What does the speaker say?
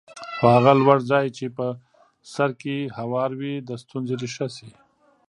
خو هغه لوړ ځای چې په سر کې هوار وي د ستونزې ریښه شي.